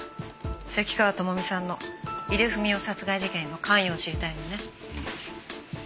関川朋美さんの井出文雄殺害事件への関与を知りたいのね？